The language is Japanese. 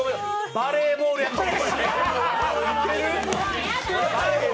バレーボールやったら。